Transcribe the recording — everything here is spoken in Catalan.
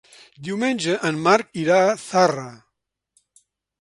Diumenge en Marc irà a Zarra.